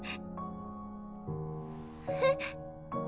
えっ？